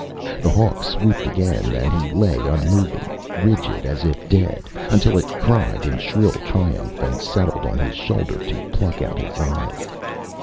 The hawk swooped again and he lay unmoving, rigid as if dead, until it cried in shrill triumph and settled on his shoulder to pluck out his eyes.